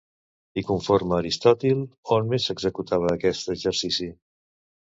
I conforme Aristòtil, on més s'executava aquest exercici?